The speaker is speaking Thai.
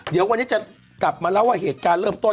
เดี๋ยววันนี้จะกลับมาเล่าว่าเหตุการณ์เริ่มต้น